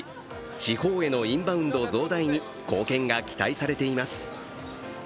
地方へのインバウンド増大に貢献が期待されています。